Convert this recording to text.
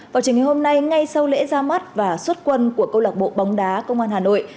vào trường ngày hôm nay ngay sau lễ ra mắt và xuất quân của câu lạc bộ bóng đá công an hà nội